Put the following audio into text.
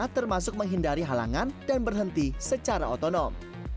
termasuk menghindari halangan dan berhenti secara otonom